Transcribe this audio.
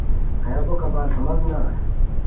ہیہ بو کپال چھوماک نا